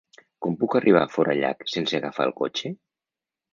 Com puc arribar a Forallac sense agafar el cotxe?